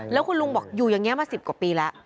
แล้วคุณลุงบอกอยู่อย่างนี้มา๑๐กว่าปีแล้ว